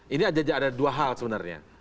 ini ada dua hal sebenarnya